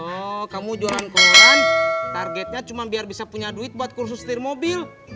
oh kamu jualan koran targetnya cuma biar bisa punya duit buat kursus setir mobil